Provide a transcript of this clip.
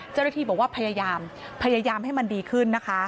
เจ้าหน้าที่บอกว่าพยายามพยายามให้มันดีขึ้นนะคะ